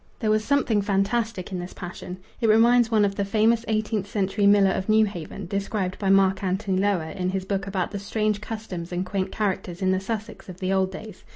There was something fantastic in this passion. It reminds one of the famous eighteenth century miller of Newhaven, described by Mark Antony Lower in his book about the strange customs and quaint characters in the Sussex of the old days.